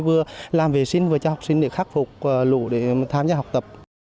vừa làm vệ sinh vừa cho học sinh để khắc phục lũ để tham gia học tập